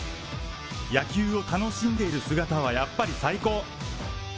野球を楽しんでいる姿はやっぱり最高。